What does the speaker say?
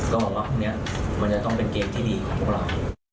ก็หวังว่าพวกนี้มันจะต้องเป็นเกมที่ดีของพวกเรา